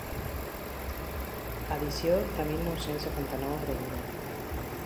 Edició de mil nou-cents setanta-nou a Bruguera.